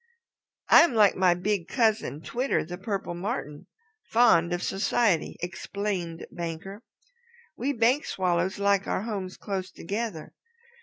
"I am like my big cousin, Twitter the Purple Martin, fond of society," explained Banker. "We Bank Swallows like our homes close together.